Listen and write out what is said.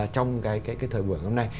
trong cái thời buổi hôm nay